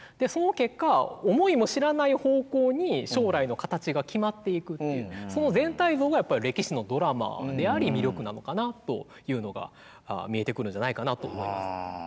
その結果思いも知らない方向に将来の形が決まっていくっていうその全体像がやっぱり歴史のドラマであり魅力なのかなというのが見えてくるんじゃないかなと思います。